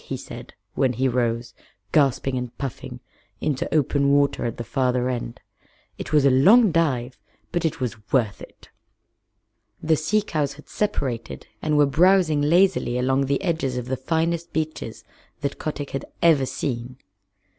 he said, when he rose, gasping and puffing, into open water at the farther end. "It was a long dive, but it was worth it." The sea cows had separated and were browsing lazily along the edges of the finest beaches that Kotick had ever seen.